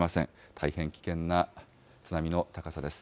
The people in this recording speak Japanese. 大変危険な津波の高さです。